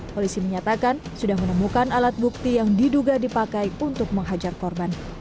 polisi menyatakan sudah menemukan alat bukti yang diduga dipakai untuk menghajar korban